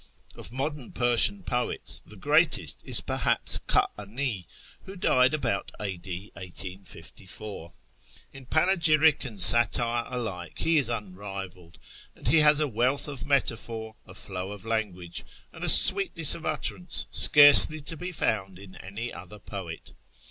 Of modern Persian poets the greatest is perhaps Ka'ani, who died about a.d. 1854. In panegyric and satire alike he is unrivalled ; and he has a wealth of metaphor, a flow of language, and a sweetness of utterance scarcely to be found in any other poet.